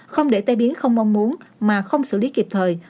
không để tai biến không mong muốn mà không xử lý kịp thời